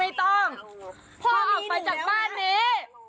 ไม่ต้องพ่อออกมาจากบ้านนี้